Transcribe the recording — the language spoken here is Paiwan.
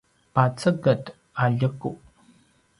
paceged a ljequ